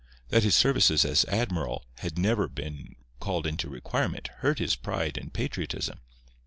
That his services as admiral had never been called into requirement hurt his pride and patriotism.